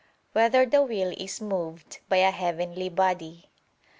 5] Whether the Will Is Moved by a Heavenly Body?